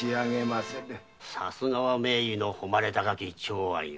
さすが名医の誉れ高き長庵。